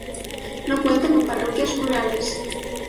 No cuenta con parroquias rurales.